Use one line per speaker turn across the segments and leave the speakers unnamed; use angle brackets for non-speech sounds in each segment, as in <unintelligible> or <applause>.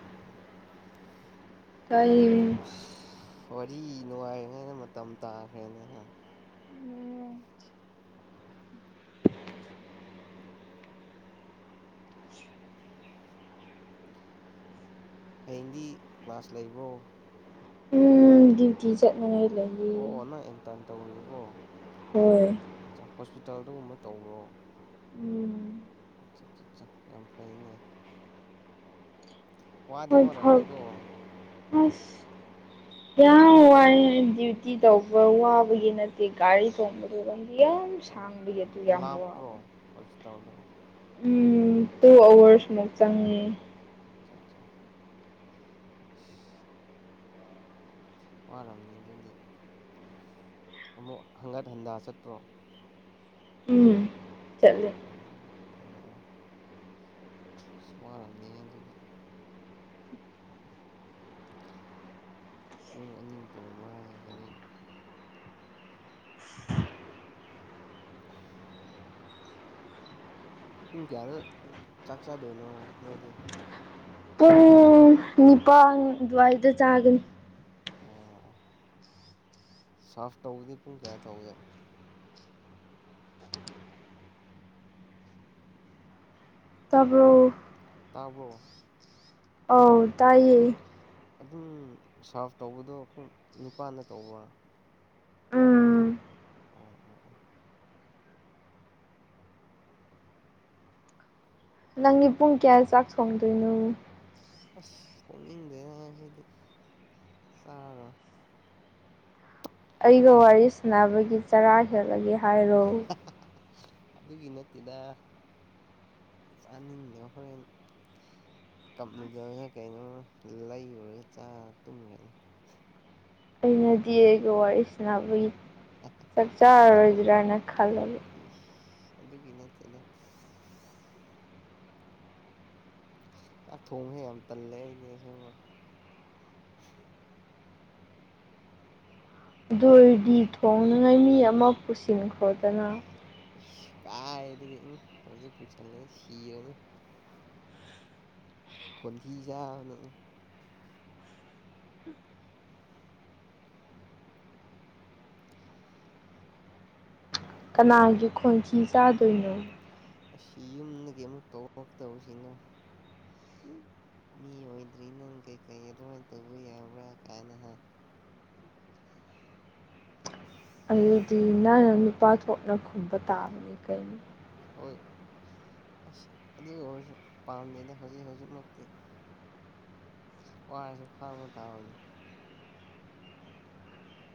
ꯑꯣ ꯑꯣ
<unintelligible>
ꯋꯥꯔꯤ ꯅꯨꯡꯉꯥꯏꯔꯤꯉꯩꯗ ꯃꯇꯝ ꯇꯥꯈ꯭ꯔꯦꯅꯦ ꯍꯥ ꯍꯌꯦꯡꯗꯤ ꯀ꯭ꯥꯂꯁ ꯂꯩꯕ꯭ꯔꯣ
ꯎꯝ ꯗ꯭ꯌꯨꯇꯤ ꯆꯠꯅꯤꯡꯉꯥꯏ ꯂꯩ
ꯑꯣ ꯑꯣ ꯅꯪ ꯢꯟꯇ꯭ꯔꯟ ꯇꯧꯔꯤꯀꯣ
ꯍꯣꯏ
ꯑ ꯍꯣꯁꯄꯤꯇꯥꯜꯗꯒꯨꯝꯕ ꯇꯧꯕ꯭ꯔꯣ
ꯎꯝ
ꯑꯆꯥ ꯆꯥ ꯆꯥ ꯌꯥꯝ ꯐꯩꯅꯦ ꯋꯥꯗꯤ
ꯍꯣꯏ ꯐꯔ
ꯋꯥꯔꯝꯅꯤꯀꯣ
ꯑꯁ ꯌꯥꯝ ꯋꯥꯏꯑꯦ ꯗ꯭ꯌꯨꯇꯤ ꯇꯧꯕ ꯋꯥꯕꯒꯤ ꯅꯠꯇꯦ ꯒꯥꯔꯤ ꯇꯣꯡꯕ ꯗꯨ ꯂꯝꯕꯤ ꯌꯥꯝ ꯁꯥꯡꯕꯒꯤ ꯑꯗꯨꯌꯝ ꯋꯥꯕ
ꯇꯥꯋꯟ ꯗꯣ
ꯎꯝ ꯇꯨ ꯑꯋꯥ꯭ꯔꯁ ꯃꯨꯛ ꯆꯪꯉꯤ
ꯑꯆꯥ ꯆꯥ ꯋꯥꯔꯝꯅꯤ ꯑꯗꯨꯗꯤ ꯑꯃꯨꯛ ꯍꯪꯒꯠ ꯍꯟꯗꯥ ꯆꯠꯄ꯭ꯔꯣ
ꯎꯝ ꯆꯠꯂꯤ
ꯎꯝ ꯑꯣ ꯑꯣ ꯑꯁ ꯋꯥꯔꯝꯅꯤ ꯑꯗꯨꯗꯤ ꯄꯨꯡ ꯑꯅꯤ ꯇꯣꯡꯕ ꯋꯥꯏ ꯍꯥꯢꯒꯅꯤ <unintelligible> ꯄꯨꯡ ꯀꯌꯥꯗ ꯆꯥꯛ ꯆꯥꯗꯣꯏꯅꯣ ꯅꯣꯏꯗꯤ
ꯅꯤꯄꯥꯥꯟ ꯑꯗꯨꯋꯥꯏꯗ ꯆꯥꯒꯅꯤ
ꯑꯣ ꯑꯣ ꯁꯥꯔꯐ ꯇꯧꯕꯗꯤ ꯄꯨꯡ ꯀꯌꯥ ꯇꯧꯢ
ꯇꯥꯕ꯭ꯔꯣ
ꯇꯥꯕ꯭ꯔꯣ
ꯑꯥꯎ ꯇꯥꯏꯌꯦ
ꯑꯗꯨꯝ ꯁꯥꯔꯐ ꯇꯧꯕꯗꯣ ꯄꯨꯡ ꯅꯤꯄꯥꯟꯗ ꯇꯧꯕ꯭ꯔꯥ
ꯎꯝ
ꯑꯣ ꯑꯣ ꯑꯣ <inaudible>
ꯅꯪꯗꯤ ꯄꯨꯡ ꯀꯌꯥ ꯆꯥꯛ ꯊꯣꯡꯗꯣꯏꯅꯣ
ꯑꯁ ꯊꯣꯛꯅꯤꯡꯗꯦꯅꯥ ꯉꯁꯤꯗꯤ ꯆꯥꯔꯔꯣꯏ
ꯑꯩꯒ ꯋꯥꯔꯤ ꯁꯥꯟꯅꯕꯒꯤ ꯆꯔꯥ ꯍꯦꯜꯂꯒꯦ ꯍꯥꯏꯔꯣ
ꯍꯥ ꯍꯥ ꯍꯥ ꯑꯗꯨꯒꯤ ꯅꯠꯇꯦꯗ ꯆꯥꯅꯤꯡꯗꯕ ꯍꯣꯔꯦꯟ ꯀꯞ ꯅꯨꯗꯜꯁꯂ ꯀꯩꯅꯣ ꯑꯃ ꯂꯩꯔꯨꯔꯒ ꯆꯥꯔ ꯇꯨꯝꯒ꯭ꯔꯅꯤ
ꯅꯠꯇꯦ ꯑꯩꯒ ꯋꯥꯔꯤ ꯁꯥꯟꯅꯕꯒꯤ
ꯍ
ꯆꯥꯛ ꯆꯥꯔꯔꯣꯏꯗ꯭ꯔꯥꯅ ꯈꯜꯂꯣ
ꯎꯝ ꯑꯗꯨꯒꯤ ꯅꯠꯇꯦꯅ ꯆꯥꯛ ꯊꯣꯡꯕꯁꯦ ꯌꯥꯝ ꯇꯜꯂꯦ ꯑꯩꯗꯤ ꯑꯁꯦꯡꯕ
ꯗꯔꯗꯤ ꯊꯣꯡꯅꯉꯥꯏ ꯃꯤ ꯑꯃ ꯄꯨꯁꯤꯟꯈ꯭ꯔꯣꯗꯅ
ꯀꯥꯏ ꯍꯧꯖꯤꯛ ꯄꯨꯁꯜꯂꯗꯤ ꯁꯤꯔꯅꯤ ꯀꯣꯟꯊꯤꯖꯆꯕꯗ
ꯀꯅꯥꯒꯤ ꯈꯣꯟꯊꯤ ꯆꯥꯗꯣꯏꯅꯣ
ꯑꯁꯤ ꯌꯨꯝꯗꯒꯤ ꯑꯃꯨꯛ ꯇꯧꯔꯔꯛꯇꯕꯁꯤꯅ ꯃꯤ ꯑꯣꯏꯗ꯭ꯔꯤ ꯅꯪ ꯀꯩꯀꯩ ꯑꯗꯨꯃꯥꯏꯅ ꯇꯧꯕ ꯌꯥꯕ꯭ꯔꯥ ꯀꯥꯏꯅ ꯍꯥꯏ
ꯑꯗꯨꯗꯤ ꯅꯪꯅ ꯅꯨꯄꯥ ꯊꯣꯛꯅ ꯈꯨꯝꯕ ꯇꯥꯕꯅꯤ ꯀꯩꯅꯣ
ꯍꯣꯏ ꯑꯁ ꯑꯗꯨ ꯑꯣꯏꯔꯁꯨ ꯄꯥꯝꯗꯦꯗ ꯍꯧꯖꯤꯛ ꯍꯧꯖꯤꯛꯃꯛꯇꯤ ꯋꯥꯔꯁꯨ ꯈꯥꯡꯕ ꯇꯥꯕꯅꯤ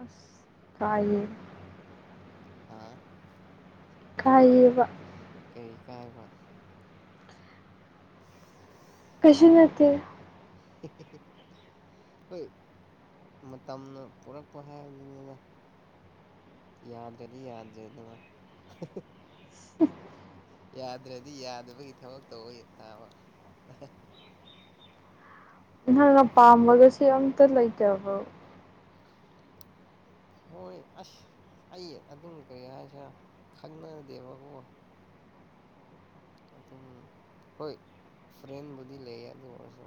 ꯑꯁ ꯇꯥꯏꯌꯦ
ꯍꯥꯥ
ꯀꯩꯕ
ꯀꯩ ꯀꯥꯏꯕ
ꯀꯩꯁꯨ ꯅꯠꯇꯦ
ꯍꯤ ꯍꯤ ꯍꯣꯏ ꯃꯇꯝꯅ ꯄꯔꯛꯄ ꯍꯥꯏꯗꯨꯅꯤꯅ ꯌꯥꯗ꯭ꯔꯗꯤ ꯌꯥꯗ꯭ꯔꯦꯗꯅ ꯌꯥꯗ꯭ꯔꯗꯤ ꯌꯥꯗꯕꯒꯤ ꯊꯕꯛ ꯇꯧꯋ ꯊꯥꯕ
ꯅꯪꯅ ꯄꯥꯝꯕꯒꯁꯨ ꯑꯝꯇ ꯂꯩꯇꯕ
ꯍꯣꯏ ꯑꯁ ꯑꯩ ꯑꯗꯨꯝ ꯀꯔꯤ ꯍꯥꯏꯁꯦ ꯈꯪꯅꯗꯦꯕꯀꯣ ꯑꯗꯨꯝ ꯍꯣꯏ ꯐ꯭ꯔꯦꯟꯕꯨꯗꯤ ꯂꯩ ꯑꯗꯨ ꯑꯣꯏꯔꯁꯨ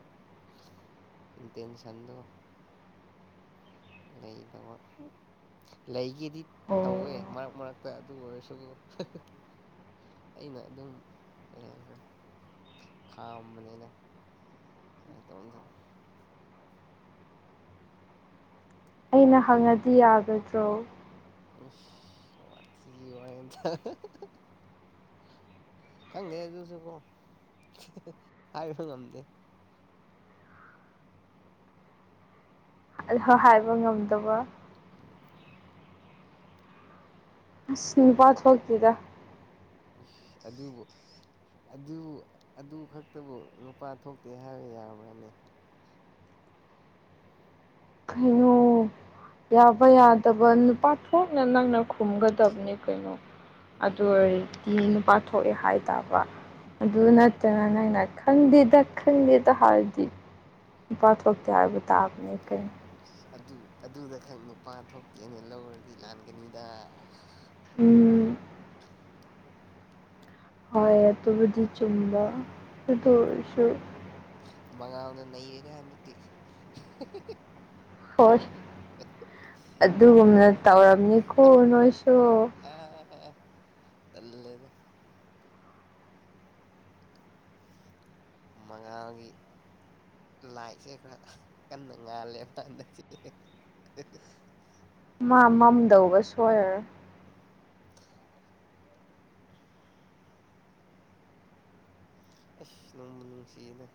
ꯏꯟꯇꯦꯟꯁꯟꯗ ꯂꯩꯗꯕ ꯂꯩꯒꯦꯗꯤ
ꯑꯣ
ꯇꯧꯋꯦ ꯃꯔꯛ ꯃꯔꯛꯇ ꯑꯗꯨ ꯑꯣꯏꯔꯁꯨ ꯑꯩꯅ ꯑꯗꯨꯝ ꯀꯩ ꯍꯥꯏꯔꯁꯦ ꯈꯥꯝꯕꯅꯤꯅ ꯇꯥꯏ ꯇ ꯍꯁ
ꯑꯩꯅ ꯍꯪꯉꯗꯤ ꯌꯥꯒꯗ꯭ꯔꯣ
ꯎ ꯊꯤ ꯋꯥꯔꯦꯝ ꯈꯪꯗꯦ ꯑꯗꯨꯁꯨ ꯀꯣ ꯍꯥꯏꯁꯨ ꯉꯝꯗꯦ
ꯑ ꯍꯥꯏꯕ ꯉꯝꯗꯕ
ꯎꯝ
ꯑꯁ ꯅꯨꯄꯥ ꯊꯣꯛꯇꯦꯗ
ꯎ ꯑꯗꯨꯕꯨ ꯑꯗꯨ ꯑꯗꯨ ꯈꯛꯇꯕꯨ ꯅꯨꯄꯥ ꯊꯣꯛꯇꯦ ꯍꯥꯏꯕ ꯌꯥꯕ꯭ꯔꯅꯤ
ꯀꯩꯅꯨ ꯌꯥꯕ ꯌꯥꯗꯕ ꯅꯨꯄꯥ ꯊꯣꯛꯅ ꯅꯪꯅ ꯈꯨꯝꯒꯗꯕꯅꯤ ꯀꯩꯅꯣ ꯑꯗꯨ ꯑꯣꯏꯔꯗꯤ ꯅꯨꯄꯥ ꯊꯣꯛꯑꯦ ꯍꯥꯏ ꯇꯕ ꯑꯗꯨ ꯅꯠꯇꯅ ꯅꯪꯅ ꯈꯪꯗꯦꯗ ꯈꯪꯗꯦꯗ ꯍꯥꯏꯔꯗꯤ ꯅꯨꯄꯥ ꯊꯣꯛꯇꯦ ꯍꯥꯏꯕ ꯇꯥꯕꯅꯤ ꯀꯩꯅꯣ
ꯎ ꯑꯗꯨ ꯑꯗꯨꯗ ꯈꯛ ꯅꯨꯄꯥ ꯊꯣꯛꯇꯦꯅ ꯂꯧꯔꯗꯤ ꯂꯥꯟꯒꯅꯤꯗ
ꯎꯝ ꯍꯣꯏ ꯑꯗꯨꯕꯨꯗꯤ ꯆꯨꯝꯕ ꯑꯗꯨ ꯑꯣꯏꯔꯁꯨ
ꯃꯉꯥꯜꯅ ꯅꯩꯔꯦ ꯍꯟꯗꯛꯇꯤ
ꯍꯣꯏ ꯑꯗꯨꯒꯨꯝꯅ ꯇꯧꯔꯝꯅꯤꯀꯣ ꯅꯣꯏꯁꯨ
ꯑ ꯇꯜꯂꯦꯗ ꯃꯉꯥꯜꯒꯤ ꯂꯥꯏꯁꯦ ꯈꯔ ꯀꯟꯅ ꯉꯥꯜꯂꯦꯕ ꯍꯟꯗꯛꯇꯤ
ꯃꯥ ꯃꯝꯗꯧꯕ ꯁꯣꯏꯔꯔꯣꯏ
ꯎꯝ ꯑꯁ ꯅꯨꯡꯕꯨ ꯅꯨꯡꯁꯤꯗ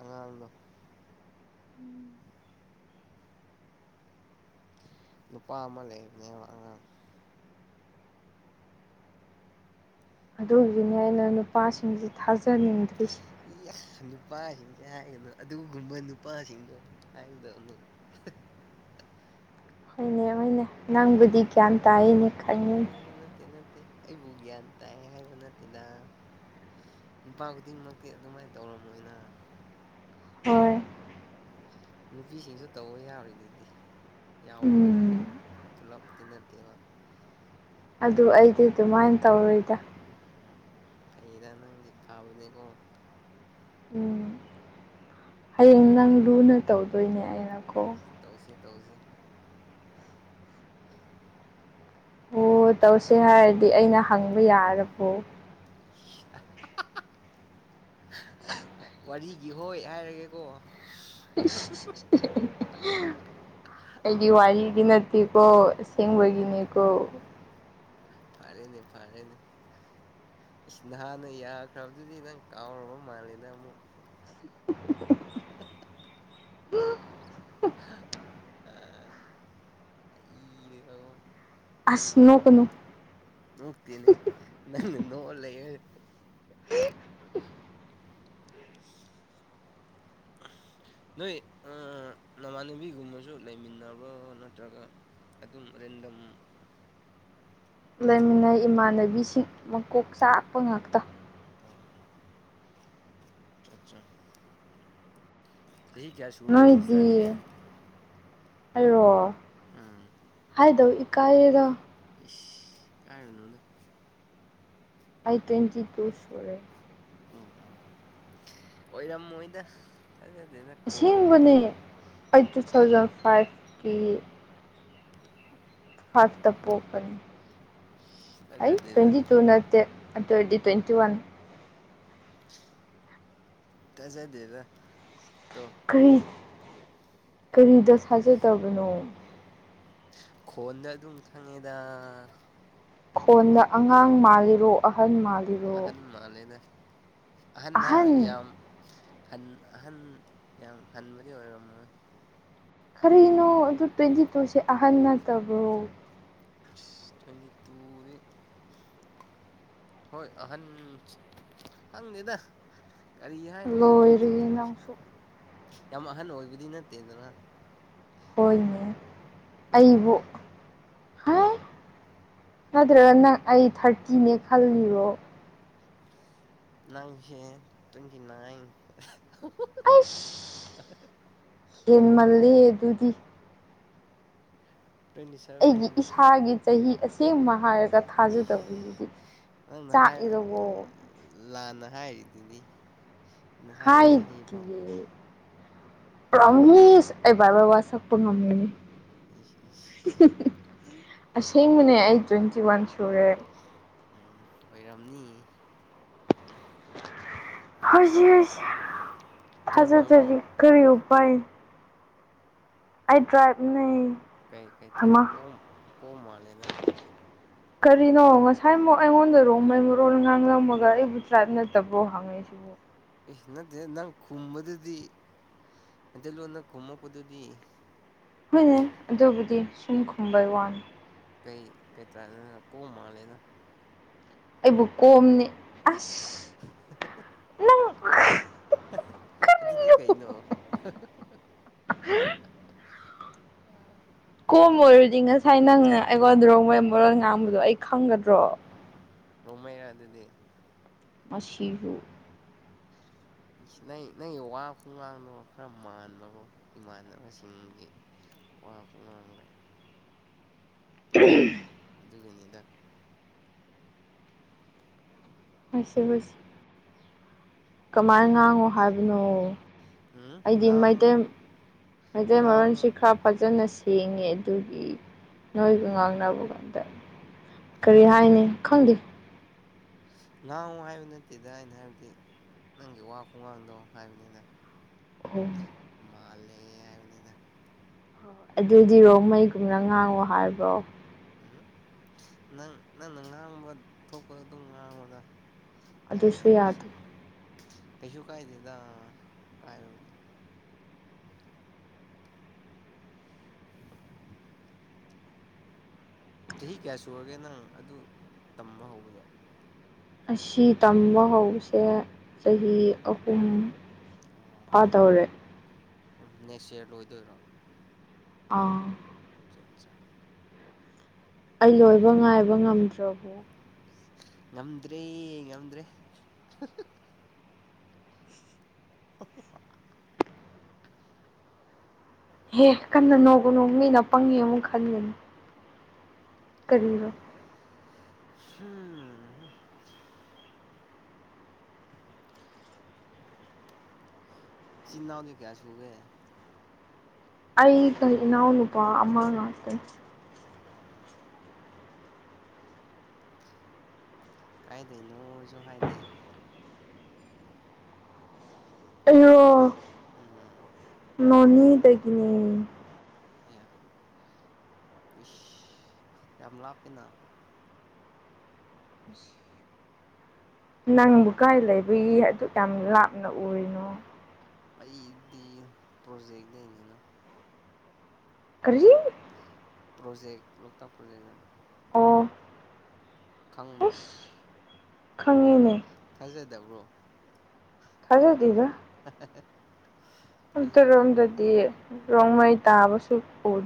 ꯑꯉꯥꯡꯗꯣ ꯅꯨꯄꯥ ꯑꯃ ꯂꯩꯕꯅꯦꯕ ꯑꯉꯥꯡ
ꯑꯗꯨꯒꯤꯅꯤ ꯑꯩꯅ ꯅꯨꯄꯥꯁꯤꯡꯁꯤ ꯊꯥꯖꯅꯤꯡꯗ꯭ꯔꯤꯁꯦ
ꯏ ꯅꯨꯄꯥꯁꯤꯡꯁꯦ ꯍꯥꯏꯒꯅꯨ ꯑꯗꯨꯒꯨꯝꯕ ꯅꯨꯄꯥꯁꯤꯡꯗꯣ ꯍꯥꯏꯒꯗꯧꯅꯦ
ꯍꯣꯏꯅꯦ ꯍꯣꯏꯅꯦ ꯅꯪꯕꯨꯗꯤ ꯒ꯭ꯌꯥꯟ ꯇꯥꯏꯅꯦ
ꯑ
ꯈꯪꯉꯤꯅꯦ
ꯅꯠꯇꯦ ꯅꯠꯇꯦ ꯑꯩꯕꯨ ꯒ꯭ꯌꯥꯟ ꯇꯥꯏ ꯍꯥꯏꯕ ꯅꯠꯇꯦꯅ ꯅꯨꯄꯥ ꯈꯨꯗꯤꯡꯃꯛꯇꯤ ꯑꯗꯨꯃꯥꯏꯅ ꯇꯧꯔꯝꯃꯣꯏꯅ
ꯍꯣꯏ
ꯅꯨꯄꯤꯁꯤꯡꯁꯨ ꯇꯧꯕ ꯌꯥꯎꯔꯤꯗꯨꯗꯤ
ꯎꯝ
ꯌꯥꯎꯕꯕꯨꯗꯤꯀꯣ ꯄꯨꯂꯞꯇꯤ ꯅꯠꯇꯦꯕ
ꯑꯗꯨ ꯑꯩꯗꯤ ꯑꯗꯨꯃꯥꯏꯟ ꯇꯧꯔꯣꯏꯗ
ꯎꯝ ꯐꯩꯗ ꯅꯪꯗꯤ ꯐꯕꯅꯦꯀꯣ
ꯎꯝ ꯍꯌꯦꯡ ꯅꯪ ꯂꯨꯅ ꯇꯧꯗꯣꯏꯅꯦ ꯑꯩꯅꯀꯣ
ꯇꯧꯁꯦ ꯇꯧꯁꯦ
ꯑꯣ ꯇꯧꯁꯦ ꯍꯥꯏꯔꯗꯤ ꯑꯩꯅ ꯍꯪꯕ ꯌꯥꯔꯕꯣ
ꯍꯥ ꯋꯥꯔꯤꯒꯤ ꯍꯣꯏ ꯍꯥꯏꯔꯒꯦꯀꯣ
ꯑꯩꯗꯤ ꯋꯥꯔꯤꯒꯤ ꯅꯠꯇꯦꯀꯣ ꯑꯁꯦꯡꯕꯒꯤꯅꯤꯀꯣ
ꯐꯥꯔꯦꯅꯦ ꯐꯥꯔꯦꯅꯦ ꯏꯁ ꯅꯍꯥꯟꯅ ꯌꯥꯈ꯭ꯔꯕꯗꯨꯗꯤ ꯅꯪ ꯀꯥꯎꯔꯕ ꯃꯥꯜꯂꯦꯅ ꯑꯃꯨꯛ ꯅꯣꯛꯄ ꯑ ꯑ ꯑꯩꯗꯤ
ꯑꯁ ꯅꯣꯛꯀꯅꯨ
ꯅꯣꯛꯇꯦꯅꯦ ꯅꯪ ꯅꯣꯛꯑ ꯂꯩꯔꯦꯅꯦ ꯅꯣꯏ ꯅꯃꯥꯟꯅꯕꯤꯒꯨꯝꯕꯁꯨ ꯂꯩꯃꯤꯟꯅꯕ꯭ꯔꯣ ꯅꯠꯇ꯭ꯔꯒ ꯑꯗꯨꯝ ꯔꯦꯟꯗꯝ
ꯂꯩꯃꯤꯟꯅꯩ ꯏꯃꯥꯟꯅꯕꯤꯁꯤꯡ ꯃꯀꯣꯛ ꯆꯥꯛꯄ ꯉꯥꯛꯇ
ꯍ ꯆꯥ-ꯆꯥ ꯆꯍꯤ ꯀꯌꯥ ꯁꯨꯔꯒꯦ ꯁꯤꯁꯇꯔꯗꯤ
ꯍꯜꯂꯣ
ꯎꯝ
ꯍꯥꯏꯗꯧ ꯏꯀꯥꯏꯌꯦꯗ
ꯏꯁ ꯏꯀꯥꯏꯔꯨꯅꯨꯗ
ꯑꯩ ꯇ꯭ꯋꯦꯟꯇꯤꯇꯨ ꯁꯨꯔꯦ
ꯎꯝ ꯎꯝ ꯑꯣꯏꯔꯝꯃꯣꯏꯗ ꯊꯥꯖꯗꯦꯗ ꯈꯣꯟꯗꯨꯗꯤ
ꯑꯁꯦꯡꯕꯅꯦ ꯑꯩ ꯇꯨ ꯊꯥꯎꯖꯟ ꯐꯥꯏꯚꯀꯤ
<inaudible>
ꯐꯥꯏꯞꯇ ꯄꯣꯛꯄꯅꯤ ꯑꯩ
ꯊꯥꯖꯗꯦꯗ
ꯇ꯭ꯋꯦꯟꯇꯤꯇꯨ ꯅꯠꯇꯦ ꯑꯗꯨ ꯑꯣꯏꯗꯤ ꯇ꯭ꯋꯦꯟꯇꯤ ꯋꯥꯟ
ꯊꯥꯖꯗꯦꯗ ꯇꯣ
ꯀꯔꯤ ꯀꯔꯤꯗ ꯊꯥꯖꯗꯕꯅꯣ
ꯈꯣꯟꯗ ꯑꯗꯨꯝ ꯈꯪꯉꯦꯗ
ꯈꯣꯟꯗ ꯑꯉꯥꯡ ꯃꯥꯜꯂꯤꯔꯣ ꯑꯍꯜꯃꯔ
ꯑꯍꯟ ꯃꯥꯂꯦꯗ ꯑꯍꯟ ꯍꯥꯏ ꯌꯥꯝ ꯍꯟ ꯑꯍꯟ ꯌꯥꯝ ꯍꯟꯕꯗꯤ ꯑꯣꯏꯔꯝꯃꯣꯏ
ꯀꯔꯤꯅꯣ ꯑꯗꯨ ꯇ꯭ꯋꯦꯟꯇꯤꯇꯨꯁꯦ ꯑꯍꯟ ꯅꯠꯇꯕꯣ
ꯑꯁ ꯇ꯭ꯋꯦꯟꯇꯤ ꯇꯨꯗꯤ ꯍꯣꯏ ꯑꯍꯟ ꯈꯪꯗꯦꯗ꯫ ꯀꯔꯤ ꯍꯥꯏꯗꯣꯏꯅꯣ ꯇ꯭ꯋꯦꯟꯇꯤ
ꯂꯣꯏꯔꯦꯍꯦ
ꯇꯨꯁꯦ
ꯅꯪꯁꯨ
ꯌꯥꯝ ꯑꯍꯟ ꯑꯣꯏꯕꯗꯤ ꯅꯠꯇꯦꯗꯅ꯫
ꯍꯣꯏꯅꯦ ꯑꯩꯕꯨ ꯍꯥꯏ꯫ ꯅꯠꯇ꯭ꯔꯒꯅ ꯑꯩ ꯊꯥꯔꯇꯤꯅꯦ ꯈꯜꯂꯤꯔꯣ꯫
ꯅꯪꯁꯦ ꯇ꯭ꯋꯦꯟꯇꯤ ꯅꯥꯏꯟ꯫
ꯏꯁ ꯍꯦꯟꯃꯜꯂꯦ ꯑꯗꯨꯗꯤ꯫
ꯇ꯭ꯋꯦꯟꯇꯤ
ꯑꯩꯒꯤ
ꯁꯚꯦꯟ
ꯏꯁꯥꯒꯤ ꯆꯍꯤ ꯑꯁꯦꯡꯕ ꯍꯥꯏꯔ ꯊꯥꯖꯗꯕꯤꯁꯤꯗꯤ
ꯅꯪꯅ ꯍꯥꯏ
ꯆꯥꯛꯑꯦꯗꯀꯣ꯫
ꯂꯥꯟꯅ ꯍꯥꯏꯔꯤꯗꯨꯅꯤ꯫
ꯍꯥꯏꯗꯤꯌꯦ꯫ ꯉꯝꯅꯤ ꯏꯁ ꯑꯩ ꯕꯥꯏꯕꯥꯜ ꯋꯥꯁꯛꯄ ꯉꯝꯒꯅꯤ꯫
ꯏꯁ ꯏꯁ
ꯑꯁꯦꯡꯕꯅꯦ ꯑꯩ ꯇ꯭ꯋꯦꯟꯇꯤ ꯋꯥꯟ ꯁꯨꯔꯦ꯫
ꯎꯝ ꯑꯣꯏꯔꯝꯅꯤ꯫
ꯍꯧꯁꯦ ꯍꯧꯁꯦ ꯊꯖꯗꯔꯗꯤ
ꯇ꯭ꯔꯥꯏꯕꯦꯜꯔꯣ
ꯀꯔꯤ ꯎꯄꯥꯏ ꯑꯩ ꯇꯔꯥꯏꯕꯅꯦ꯫
ꯀꯩ ꯀꯩ ꯇꯔꯥꯏꯞ ꯀꯣꯝ ꯀꯣꯝ ꯃꯥꯜꯂꯦꯗ꯫
ꯀꯔꯤꯅꯣ ꯉꯁꯥꯏꯃꯨꯛ ꯑꯩꯉꯣꯟꯗ ꯔꯣꯡꯃꯩ ꯃꯔꯣꯜ ꯉꯥꯡꯂꯝꯃꯒ ꯑꯩꯕꯨ ꯇ꯭ꯔꯥꯏꯞ ꯅꯠꯇꯕꯣ ꯍꯪ ꯉꯛꯏꯁꯤꯕꯨ꯫
ꯑꯦ ꯅꯠꯇꯦ ꯅꯪ ꯈꯨꯝꯕꯗꯨꯗꯤ ꯃꯩꯇꯩꯂꯣꯟꯗ ꯈꯨꯝꯃꯛꯄꯗꯨꯗꯤ꯫
ꯍꯣꯏꯅꯦ ꯑꯗꯨꯕꯨꯗꯤ ꯁꯨꯝ ꯈꯨꯝꯕꯩ ꯋꯥꯅꯤ꯫
ꯀꯩ ꯀꯩ ꯇꯔꯥꯏꯞꯅꯣ ꯀꯣꯝ ꯃꯥꯂꯦꯗ꯫
ꯑꯩꯕꯨ ꯀꯣꯝꯅꯦ ꯑꯁ
<unintelligible>
ꯅꯪ ꯀꯔꯤ
ꯑꯗꯨꯗꯤ ꯀꯩꯅꯣ꫰꫰ ꯑꯥ꯫
ꯀꯣꯝ ꯑꯣꯏꯔꯗꯤ ꯉꯁꯥꯏ ꯅꯪꯅ ꯑꯩꯉꯣꯟꯗ ꯔꯣꯡꯃꯩ ꯃꯔꯣꯟ ꯉꯥꯡꯕꯗꯣ ꯑꯩ ꯈꯪꯒꯗ꯭ꯔꯣ꯫
ꯑꯣ ꯔꯣꯡꯃꯩꯔꯥ ꯑꯗꯨꯗꯤ꯫
ꯃꯁꯤꯕꯨ꯫
ꯑꯁ ꯅꯪꯒꯤ ꯅꯪꯒꯤ ꯋꯥ ꯈꯨꯉꯥꯡꯗꯣ ꯈꯔ ꯃꯥꯟꯕꯀꯣ ꯏꯃꯥꯟꯅꯕꯁꯤꯡꯒꯤ꯫ ꯋꯥ ꯈꯨꯉꯥꯡꯗ
<unintelligible>
ꯑꯗꯨꯒꯤꯅꯤꯗ꯫
ꯍꯣꯏꯁꯦ ꯍꯣꯏꯁꯦ꯫ ꯀꯃꯥꯏꯅ ꯉꯥꯡꯉꯣ ꯍꯥꯏꯕꯅꯣ꫰꫰
ꯎꯝ
ꯑꯩꯗꯤ
ꯉꯥꯡ
ꯃꯩꯇꯩ ꯃꯩꯇꯩ
ꯉꯥꯡ
ꯃꯔꯣꯟꯁꯤ ꯈꯔ ꯐꯖꯅ ꯁꯦꯡꯉꯦ ꯑꯗꯨꯒꯤ ꯅꯣꯏꯒ ꯉꯥꯡꯅꯕꯒꯥꯟꯗ ꯀꯔꯤ ꯍꯥꯏꯅꯤ ꯈꯪꯗꯦ꯫
ꯉꯥꯡꯉꯨ ꯍꯥꯏꯕ ꯅꯠꯇꯦꯗ ꯑꯩꯅ ꯍꯥꯏꯕꯗꯤ꯫ ꯅꯪꯒꯤ ꯋꯥ ꯈꯨꯡꯉꯥꯡꯗꯣ ꯍꯥꯏꯕꯅꯤꯗ꯫
ꯑꯣ꯫
ꯃꯥꯜꯂꯦ ꯍꯥꯏꯕꯅꯤꯗ꯫
ꯑꯗꯨꯗꯤ ꯔꯣꯡꯃꯩꯒꯨꯝꯅ ꯉꯥꯡꯉꯣ ꯍꯥꯏꯕ꯭ꯔꯣ꯫
ꯎꯝ ꯅꯪ ꯅꯪꯅ ꯉꯥꯡꯕ ꯊꯣꯛꯄ ꯑꯗꯨꯝ ꯉꯥꯡꯉꯨꯗ꯫ ꯌꯥꯏꯅ
ꯑꯗꯨꯁꯨ
ꯀꯩꯁꯨ
ꯌꯥꯗꯦ
ꯀꯩꯁꯨ ꯀꯥꯏꯗꯦꯗ ꯀꯥꯏꯕꯕꯨꯗꯤ꯫ <unintelligible> ꯆꯍꯤ ꯀꯌꯥ ꯁꯨꯔꯒꯦ ꯅꯪ ꯑꯗꯨ ꯇꯝꯕ ꯍꯧꯕꯗꯣ꯫
ꯑꯁꯤ ꯇꯝꯕ ꯍꯧꯕꯁꯦ ꯆꯍꯤ ꯑꯍꯨꯝ꯫
ꯑꯣ
ꯐꯥꯗꯧꯔꯦ
ꯁꯝ ꯅꯦꯛꯁ ꯏꯌꯥꯔ ꯂꯣꯏꯗꯣꯏꯔꯣ꯫
ꯑꯥ꯫
ꯆꯆꯥ꯫
ꯑꯩ ꯂꯣꯏꯕ ꯉꯥꯏꯕ ꯉꯝꯗ꯭ꯔꯕꯣ
ꯎꯝ ꯉꯝꯗ꯭ꯔꯦ ꯉꯝꯗ꯭ꯔꯦ ꯑ ꯍꯥ ꯍꯥ <unintelligible>
ꯍꯦꯍ ꯀꯟꯅ ꯅꯣꯡꯒꯅꯨ ꯃꯤꯅ ꯄꯪꯉꯦ ꯑꯃꯨꯛ ꯈꯟꯒꯅꯤ ꯀꯔꯤꯕ
ꯍꯝ ꯍ ꯏꯆꯤꯟ ꯏꯅꯥꯎꯗꯤ ꯀꯌꯥ ꯁꯨꯒꯦ
ꯑꯩꯒ ꯏꯅꯥꯎꯅꯨꯄꯥ ꯑꯃ ꯉꯥꯛꯇꯅꯤ
ꯑꯣ ꯑꯣ ꯑꯣ ꯀꯥꯏꯗꯩꯅꯣꯖꯨ ꯍꯥꯏꯗꯦ
ꯑꯩꯔꯣ
ꯎꯝ
ꯅꯣꯅꯦꯗꯒꯤꯅꯦ
ꯑꯩꯌꯥ ꯑꯩꯏꯁ ꯌꯥꯝ ꯂꯥꯞꯄꯤꯅ
ꯅꯪꯕꯨ ꯀꯥꯏ ꯂꯩꯕꯒꯤ ꯑꯗꯨꯛ ꯌꯥꯝ ꯂꯥꯞꯅ ꯎꯔꯤꯅꯣ
ꯑꯩꯗꯤ ꯄ꯭ꯔꯣꯖꯦꯛꯗꯩꯅꯤꯅ
ꯀꯔꯤ
ꯄ꯭ꯔꯣꯖꯦꯛ ꯂꯣꯛꯇꯥꯛ ꯄ꯭ꯔꯣꯖꯦꯛꯗ
ꯑꯣ
ꯈꯪꯕ꯭ꯔꯣ
ꯑꯁ ꯈꯪꯉꯦꯅꯦ
ꯊꯥꯖꯗꯕ꯭ꯔꯣ
ꯊꯥꯖꯗꯦꯗ
<unintelligible> ꯊꯥꯖꯧ
ꯑꯟꯇꯛꯔꯣꯝꯗꯗꯤ ꯔꯣꯡꯃꯩ ꯇꯥꯕꯁꯨ ꯎꯗꯦ